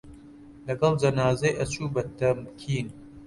لەگەڵ جەنازەی ئەچوو بە تەمکین